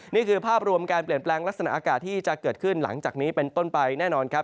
นี่คือภาพรวมการเปลี่ยนแปลงลักษณะอากาศที่จะเกิดขึ้นหลังจากนี้เป็นต้นไปแน่นอนครับ